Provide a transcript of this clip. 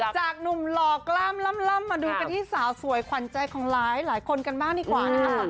จากหนุ่มหล่อกล้ามล่ำมาดูกันที่สาวสวยขวัญใจของหลายคนกันบ้างดีกว่านะครับ